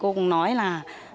cô cũng nói là